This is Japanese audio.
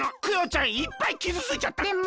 クヨちゃんいっぱいきずついちゃった。